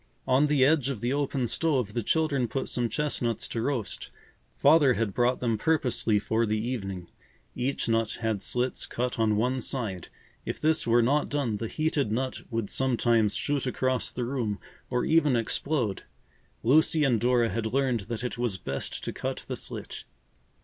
On the edge of the open stove the children put some chestnuts to roast. Father had brought them purposely for the evening. Each nut had slits cut on one side. If this were not done, the heated nut would sometimes shoot across the room or even explode. Lucy and Dora had learned that it was best to cut the slit.